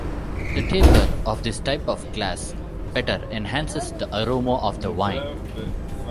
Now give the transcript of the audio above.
The taper of this type of glass better enhances the aroma of the wine.